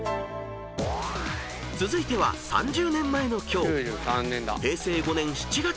［続いては３０年前の今日］